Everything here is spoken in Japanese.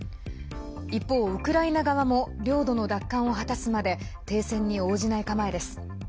一方、ウクライナ側も領土の奪還を果たすまで停戦に応じない構えです。